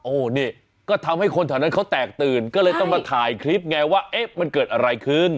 นี่ก็ทำให้คนแถวนั้นเขาแตกตื่นก็เลยต้องมาถ่ายคลิปไงว่าเอ๊ะมันเกิดอะไรขึ้น